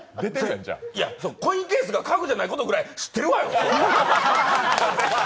コインケースが家具じゃないことぐらい知ってるわよ。